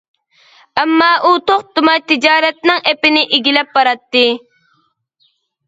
ئەمما ئۇ توختىماي تىجارەتنىڭ ئېپىنى ئىگىلەپ باراتتى.